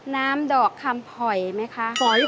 น้ำดอกคำผ่อยไหมคะ